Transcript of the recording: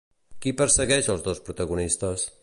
Qui persegueix els dos protagonistes?